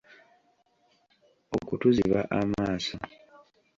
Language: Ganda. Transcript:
Okutuziba amaaso.